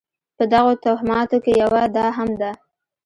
په دغو توهماتو کې یوه دا هم ده.